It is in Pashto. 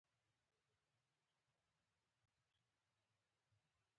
د نارې یوه خوا اووه او بله اته سېلابه کیږي.